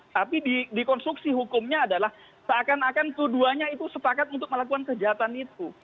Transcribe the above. tapi dikonstruksi hukumnya adalah seakan akan keduanya itu sepakat untuk melakukan kejahatan itu